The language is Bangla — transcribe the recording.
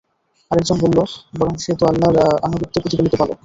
আরেক জন বলল, বরং সে তো আল্লাহর আনুগত্যে প্রতিপালিত বালক।